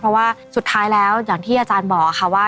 เพราะว่าสุดท้ายแล้วอย่างที่อาจารย์บอกค่ะว่า